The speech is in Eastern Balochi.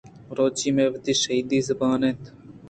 بلوچی مئے وتی شھدیں زُبان اِنت۔